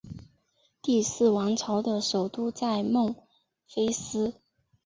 第四王朝的首都在孟菲斯。